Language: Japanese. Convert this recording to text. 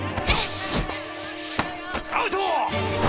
アウト！